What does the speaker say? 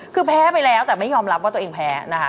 คือแพ้ไปแล้วแต่ไม่ยอมรับว่าตัวเองแพ้นะคะ